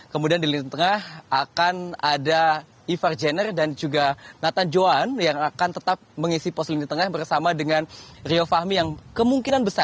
kemudian di lini tengah akan ada ivar jenner dan juga nathan joan yang akan tetap mengisi pos lini tengah bersama dengan rio fahmi yang kemungkinan besar